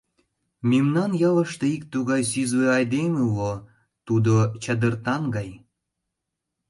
Мемнан ялыште ик тугай сӱзлӧ айдеме уло, тудо чадыртан гай.